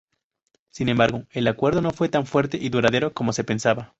Sin embargo, el acuerdo no fue tan fuerte y duradero como se pensaba.